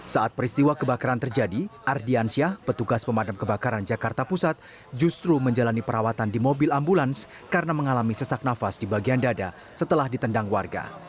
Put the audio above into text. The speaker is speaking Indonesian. saat peristiwa kebakaran terjadi ardiansyah petugas pemadam kebakaran jakarta pusat justru menjalani perawatan di mobil ambulans karena mengalami sesak nafas di bagian dada setelah ditendang warga